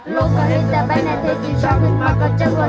ลงไปให้เธอไปในเธอจีบช้าพึ่งมากก็จะรวด